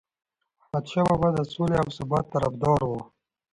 احمدشاه بابا د سولې او ثبات طرفدار و.